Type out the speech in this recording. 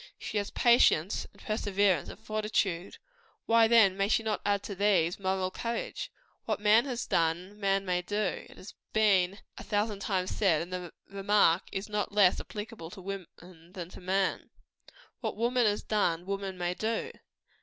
She has patience, and perseverance, and fortitude why then may she not add to these, moral courage? What man has done, man may do has been a thousand times said; and the remark is not less applicable to woman than to man. What woman has done, woman may do.